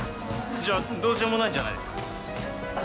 じゃあどうしようもないじゃないですか。